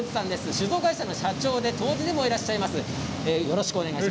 酒造会社の社長で杜氏でもいらっしゃいます。